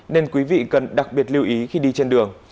nên quý vị cần đặc biệt lưu ý khi đi trên đường